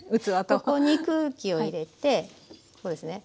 ここに空気を入れてこうですね。